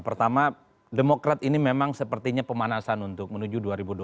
pertama demokrat ini memang sepertinya pemanasan untuk menuju dua ribu dua puluh